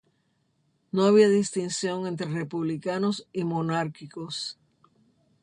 No había distinción entre republicanos y monárquicos.